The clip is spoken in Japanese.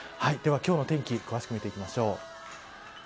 では今日の天気を詳しく見ていきましょう。